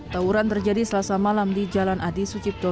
tawuran terjadi selasa malam di jalan adi sucipto